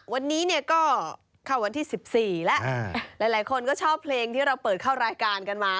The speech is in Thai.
วันนี้เนี่ยก็เข้าวันที่๑๔แล้วหลายคนก็ชอบเพลงที่เราเปิดเข้ารายการกันมา